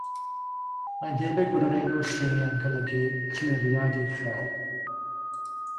Mae'n debyg bod yr enw lle yn golygu "cliriad uchel".